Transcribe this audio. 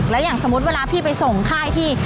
แล้วอย่างสมมุติเวลาพี่ไปส่งค่ายที่